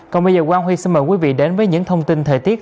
còn bây giờ quang huy xin mời quý vị đến với những thông tin thời tiết